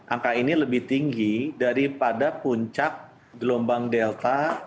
angka ini lebih tinggi daripada puncak gelombang delta